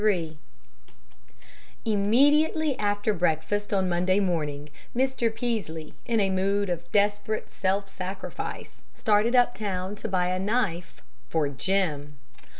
] III Immediately after breakfast on Monday morning Mr. Peaslee, in a mood of desperate self sacrifice, started up town to buy a knife for Jim!